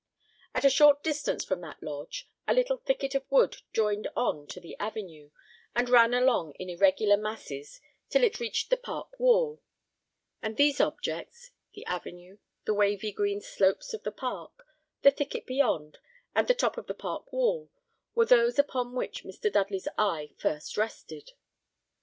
At a short distance from that lodge, a little thicket of wood joined on to the avenue, and ran along in irregular masses till it reached the park wall: and these objects, the avenue, the wavy green slopes of the park, the thicket beyond, and the top of the park wall, were those upon which Mr. Dudley's eye first rested.